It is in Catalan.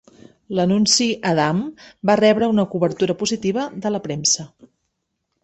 L'anunci Adam va rebre una cobertura positiva de la premsa.